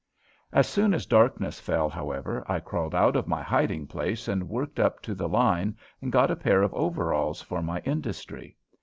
As soon as darkness fell, however, I crawled out of my hiding place and worked up to the line and got a pair of overalls for my industry.